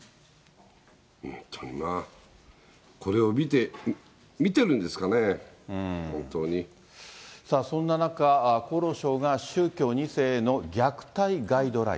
本当にまあ、これを見て、見てるそんな中、厚労省が宗教２世への虐待ガイドライン。